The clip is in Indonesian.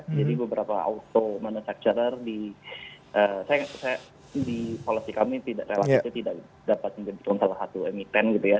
jadi beberapa auto manufacturer di koleksi kami tidak dapat menjadi salah satu emiten gitu ya